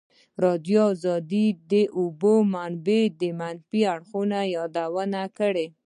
ازادي راډیو د د اوبو منابع د منفي اړخونو یادونه کړې.